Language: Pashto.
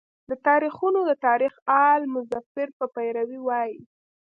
دا تاریخونه د تاریخ آل مظفر په پیروی وایي.